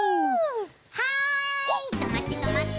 ・はいとまってとまって！